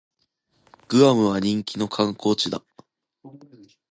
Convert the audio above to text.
グアムは人気の観光地だ